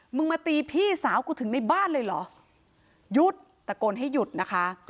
มึงมาตีพี่สาวกูถึงในบ้านเลยเหรอหยุดตะโกนให้หยุดนะคะ